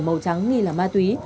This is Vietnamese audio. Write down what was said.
màu trắng nghi là ma túy